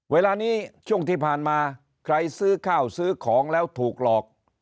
เวลานี้ช่วงที่ผ่านมาใครซื้อข้าวซื้อของแล้วถูกหลอก